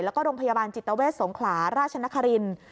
แล้วก็โรงพยาบาลจิตเวทสงขลาราชนครินทร์